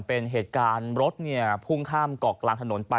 เป็นเหตุการณ์รถพุ่งข้ามเกาะกลางถนนไป